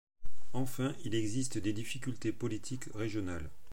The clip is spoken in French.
Enfin, il existe des difficultés politiques régionales.